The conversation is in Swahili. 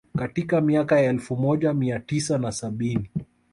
Katika miaka ya elfu moja mia tisa na sabini